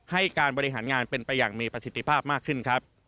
ให้การบริหารงานเป็นไปอย่างมีประสิทธิภาพมากขึ้นครับ